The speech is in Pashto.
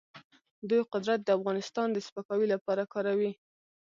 دوی قدرت د افغانستان د سپکاوي لپاره کاروي.